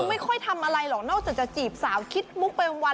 ไม่ค่อยทำอะไรหรอกนอกจากจะจีบสาวคิดมุกไปวัน